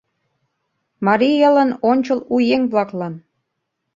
Марий элын ончыл у еҥ-влаклан